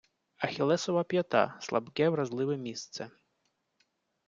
Ахіллесова п'ята — слабке, вразливе місце